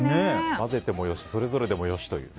混ぜても良しそれぞれでも良しというね。